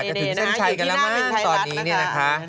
จะถึงเส้นชัยกันแล้วมั้งตอนนี้เนี่ยนะคะ